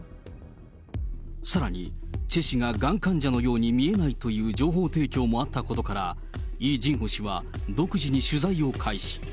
さらに、チェ氏ががん患者のように見えないという情報提供もあったことから、イ・ジンホ氏は、独自に取材を開始。